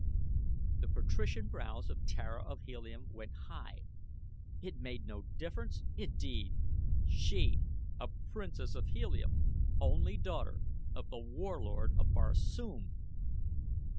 The patrician brows of Tara of Helium went high. It made no difference, indeed! She, a princess of Helium; only daughter of The Warlord of Barsoom!